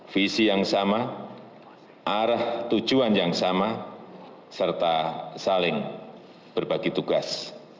visi yang sama arah tujuan yang sama serta saling berbagi tugas